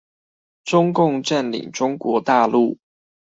中共占領中國大陸